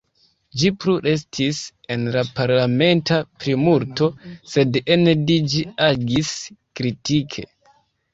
Ĝi plu restis en la parlamenta plimulto, sed ene de ĝi agis kritike.